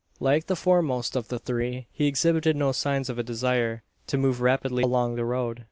Like the foremost of the three, he exhibited no signs of a desire to move rapidly along the road.